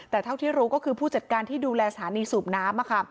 แต่เท่าที่รู้ก็คือผู้จัดการที่ดูแลสถานีสูบน้ำ